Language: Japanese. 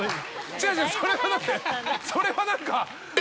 違う違うそれはだってそれは何か。